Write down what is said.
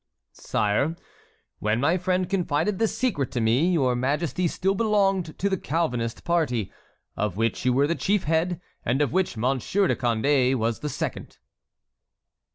"Sire, when my friend confided this secret to me, your majesty still belonged to the Calvinist party, of which you were the chief head, and of which Monsieur de Condé was the second."